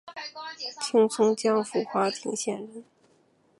清松江府华亭县人。